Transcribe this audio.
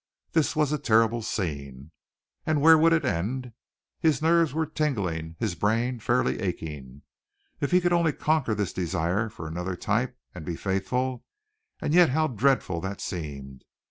This was a terrible scene. And where would it end? His nerves were tingling, his brain fairly aching. If he could only conquer this desire for another type and be faithful, and yet how dreadful that seemed!